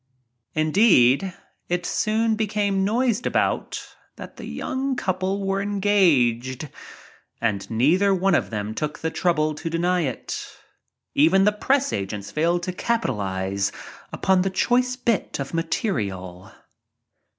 Indeed, it soon became noised about that the young couple were engaged, and neither one of them took the trouble to deny it. Even the press agents failed to capitalize upon the choice bit of material.